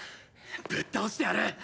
ぶっ倒してやる！